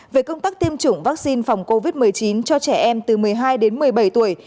về công tác tiêm chủng vaccine phòng covid một mươi chín cho trẻ em từ một mươi hai đến một mươi bảy tuổi